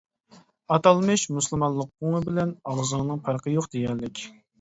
ئاتالمىش مۇسۇلمانلىق قوڭى بىلەن ئاغزىنىڭ پەرقى يوق دېگەنلىك.